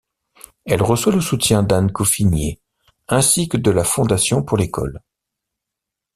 Elle reçoit le soutien d’Anne Coffinier ainsi que de la Fondation pour l'école.